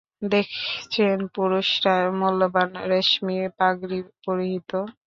দেখছেন, পুরুষরা মূল্যবান রেশমী পাগড়ী পরিহিত।